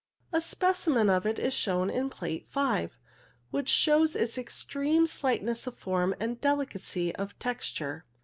A specimen of it is shown in Plate 5, which shows its extreme slightness of form and delicacy of texture.